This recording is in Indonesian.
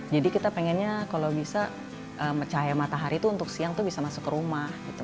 jadi kita pengennya kalau bisa cahaya matahari tuh untuk siang tuh bisa masuk ke rumah gitu